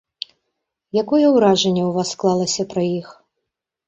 Якое ўражанне ў вас склалася пра іх?